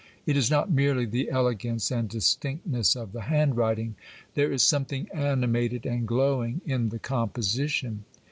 It is not merely the elegance and distinctness of the handwriting ! There is something animated and glowing in the composition.